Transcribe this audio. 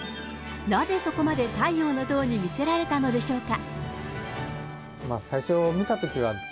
なぜそこまで太陽の塔に見せられたのでしょうか。